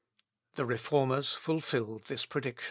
" The Reformers fulfilled this prediction.